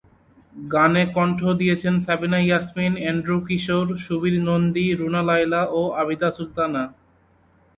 গানে কণ্ঠ দিয়েছেন সাবিনা ইয়াসমিন, এন্ড্রু কিশোর, সুবীর নন্দী, রুনা লায়লা, ও আবিদা সুলতানা।